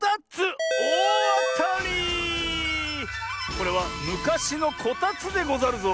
これはむかしのこたつでござるぞ。